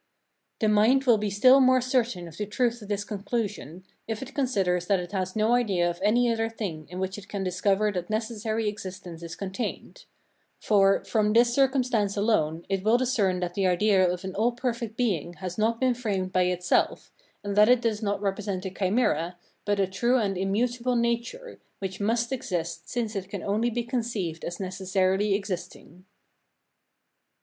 The mind will be still more certain of the truth of this conclusion, if it consider that it has no idea of any other thing in which it can discover that necessary existence is contained; for, from this circumstance alone, it will discern that the idea of an all perfect Being has not been framed by itself, and that it does not represent a chimera, but a true and immutable nature, which must exist since it can only be conceived as necessarily existing.